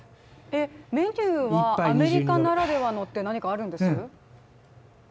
メニューはアメリカならではのって何かあるんです？